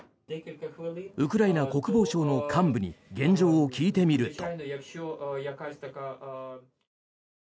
ウクライナ国防省の幹部に現状を聞いてみると。